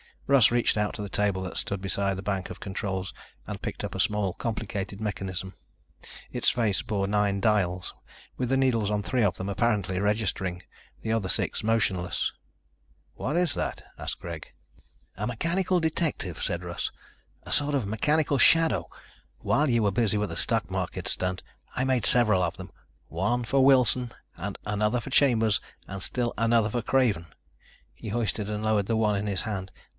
Russ reached out to the table that stood beside the bank of controls and picked up a small, complicated mechanism. Its face bore nine dials, with the needles on three of them apparently registering, the other six motionless. "What is that?" asked Greg. "A mechanical detective," said Russ. "A sort of mechanical shadow. While you were busy with the stock market stunt, I made several of them. One for Wilson and another for Chambers and still another for Craven." He hoisted and lowered the one in his hand.